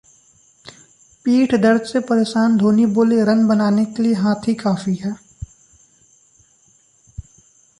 पीठ दर्द से परेशान धोनी बोले, रन बनाने के लिए हाथ ही काफी हैं